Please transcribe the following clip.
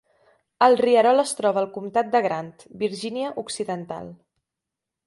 El rierol es troba al comtat de Grant, Virgínia Occidental.